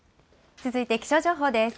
続いて気象情報です。